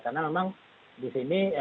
karena memang disini